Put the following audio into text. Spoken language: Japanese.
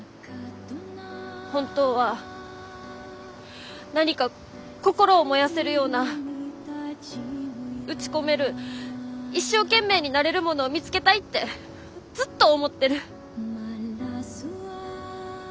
本当は何か心を燃やせるような打ち込める一生懸命になれるものを見つけたいってずっと思ってる。